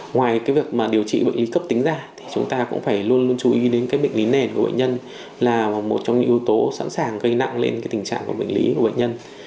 ngoài việc mà điều trị bệnh lý cấp tính ra thì chúng ta cũng phải luôn luôn chú ý đến cái bệnh lý nền của bệnh nhân là một trong những yếu tố sẵn sàng gây nặng lên tình trạng bệnh lý của bệnh nhân